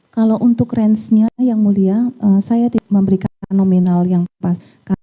kalau untuk rangenya yang mulia saya tidak memberikan nominal yang pastinya